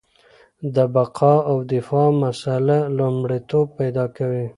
د بقا او دفاع مسله لومړیتوب پیدا کوي.